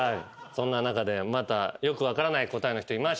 そんな中でまたよく分からない答えの人いました。